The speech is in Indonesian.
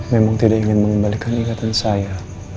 memang tidak ingin mengembalikan ingatan saya